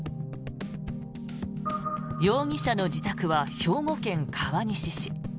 容疑者の自宅は兵庫県川西市。